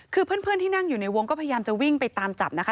คือเพื่อนที่นั่งอยู่ในวงก็พยายามจะวิ่งไปตามจับนะคะ